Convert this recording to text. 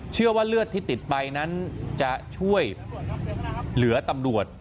เชื่อว่าเลือดที่ติดไปนั้นจะช่วยเหลือตำรวจ